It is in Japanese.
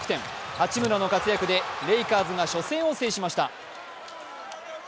八村の活躍でレイカーズが初戦を制しました。